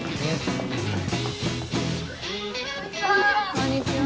こんにちは！